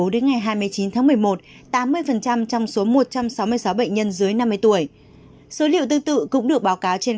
đến ngày hai mươi chín tháng một mươi một tám mươi trong số một trăm sáu mươi sáu bệnh nhân dưới năm mươi tuổi số liệu tương tự cũng được báo cáo trên